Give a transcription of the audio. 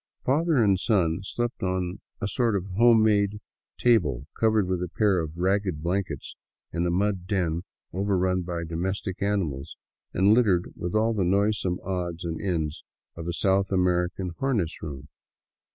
Father and son slept on a sort of home made table covered with a pair of ragged blankets in a mud den overrun by domestic animals and littered with all the noisome odds and ends of a South American harness room.